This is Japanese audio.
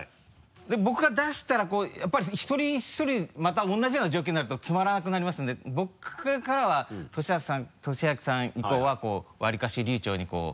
僕が出したらやっぱり一人一人また同じような状況になるとつまらなくなりますんで僕からは俊彰さん以降はこうわりかし流ちょうにこう。